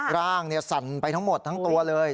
ร่างสั่นไปทั้งหมดทั้งตัวเลย